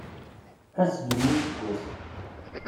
Azgen n useggas.